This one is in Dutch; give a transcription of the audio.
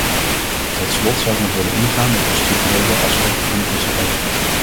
Tot slot zou ik nog willen ingaan op de structurele aspecten van de visserij.